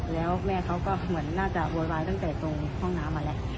แล้วแม่เขาก็เหมือนน่าจะโวยวายตั้งแต่ตรงห้องน้ำมาแล้ว